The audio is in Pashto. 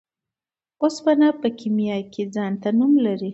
اوسپنه په کيميا کي ځانته نوم لري .